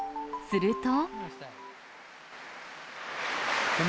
すると。